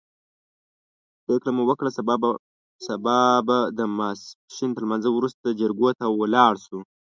پرېکړه مو وکړه سبا به د ماسپښین تر لمانځه وروسته جریکو ته ولاړ شو.